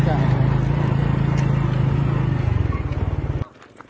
สวัสดีทุกคน